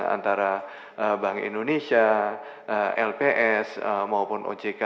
antara bank indonesia lps maupun ojk